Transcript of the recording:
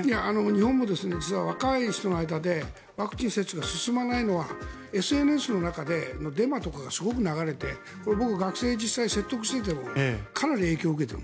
日本も実は若い人の間でワクチン接種が進まないのはＳＮＳの中でデマとかがすごく流れて僕、学生に説得しててかなり影響を受けている。